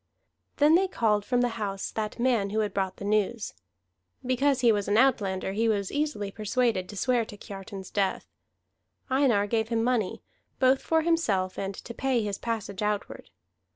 Then they called from the house that man who had brought the news. Because he was an outlander he was easily persuaded to swear to Kiartan's death. Einar gave him money, both for himself and to pay his passage outward.